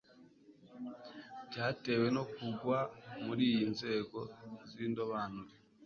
byatewe no kugwa muriyi nzego zindobanure